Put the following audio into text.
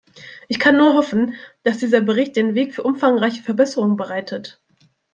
Ich kann nur hoffen, dass dieser Bericht den Weg für umfangreiche Verbesserungen bereitet.